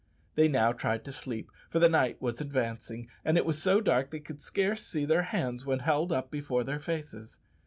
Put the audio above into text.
They now tried to sleep, for the night was advancing, and it was so dark that they could scarce see their hands when held up before their faces.